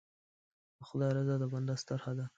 د خدای رضا د بنده ستر هدف دی.